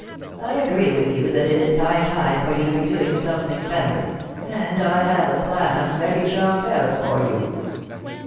I agree with you that it is high time for you to be doing something better; and I have a plan ready chalked out for you.'